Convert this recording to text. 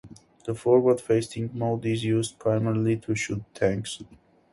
The forward-facing mode is used primarily to shoot tanks.